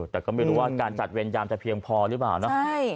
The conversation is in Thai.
แต่ก็ไม่รู้ว่าการจัดเวรยามจะเพียงพอหรือเปล่าเนาะ